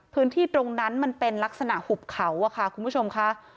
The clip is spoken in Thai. พื้นที่ตรงนั้นมันเป็นลักษณะหุบเขาอะค่ะคุณผู้ชมค่ะ